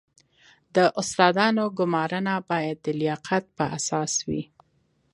د استادانو ګمارنه باید د لیاقت پر اساس وي